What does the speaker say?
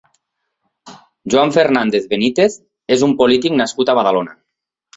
Juan Fernández Benítez és un polític nascut a Badalona.